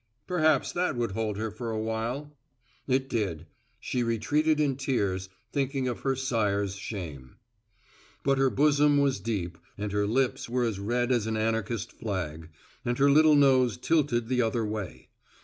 Perhaps that would hold her for a while. It did. She retreated in tears, thinking of her sire's shame. But her bosom was deep and her lips were as red as an anarchist flag, and her little nose tilted the other way.